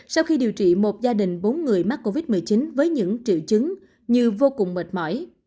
sau khi điều trị một gia đình bốn người mắc covid một mươi chín với những triệu chứng như vô cùng mệt mỏi